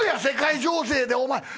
世界情勢でお前。